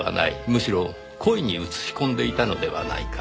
むしろ故意に映し込んでいたのではないか。